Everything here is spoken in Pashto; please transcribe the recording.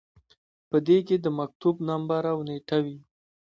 په دې کې د مکتوب نمبر او نیټه وي.